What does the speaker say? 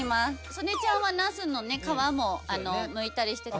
曽根ちゃんはナスのね皮も剥いたりしてた。